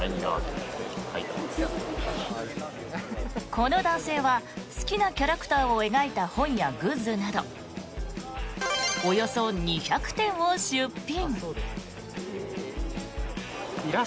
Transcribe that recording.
この男性は好きなキャラクターを描いた本やグッズなどおよそ２００点を出品。